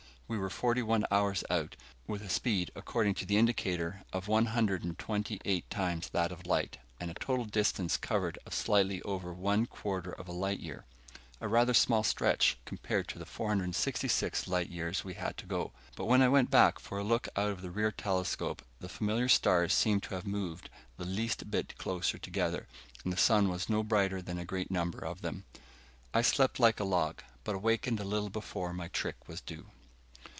We were forty one hours out, with a speed, according to the indicator, of one hundred and twenty eight times that of light, and a total distance covered of slightly over one quarter of a light year. A rather small stretch, compared to the 466 light years we had to go. But when I went back for a look out of the rear telescope, the familiar stars seemed to have moved the least bit closer together, and the sun was no brighter than a great number of them. I slept like a log, but awakened a little before my trick was due.